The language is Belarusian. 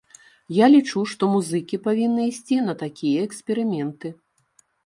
Я лічу, што музыкі павінны ісці на такія эксперыменты.